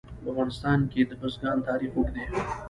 په افغانستان کې د بزګان تاریخ اوږد دی.